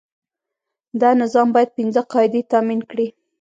دا نظام باید پنځه قاعدې تامین کړي.